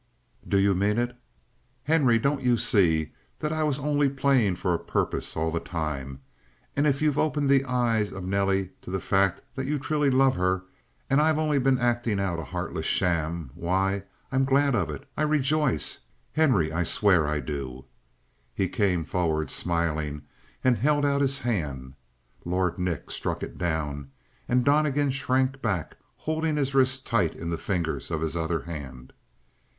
"Do you mean it?" "Henry, don't you see that I was only playing for a purpose all the time? And if you've opened the eyes of Nelly to the fact that you truly love her and I've been only acting out of a heartless sham why, I'm glad of it I rejoice, Henry, I swear I do!" He came forward, smiling, and held out his hand; Lord Nick struck it down, and Donnegan shrank back, holding his wrist tight in the fingers of his other hand.